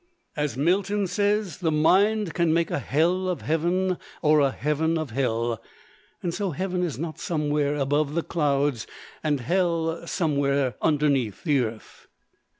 As Milton says, the mind can make a hell of heaven or a heaven of hell. So heaven is not somewhere above the clouds, and hell somewhere underneath the earth!